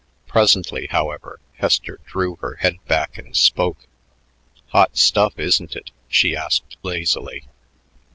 Presently, however, Hester drew her head back and spoke. "Hot stuff, isn't it?" she asked lazily.